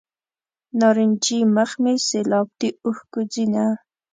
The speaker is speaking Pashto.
نارنجي مخ مې سیلاب د اوښکو ځینه.